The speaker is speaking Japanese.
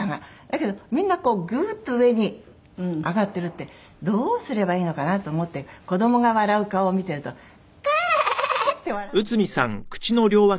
だけどみんなグッと上に上がっているってどうすればいいのかなと思って子供が笑う顔を見ていると「ハハハハ」って笑うんですよ。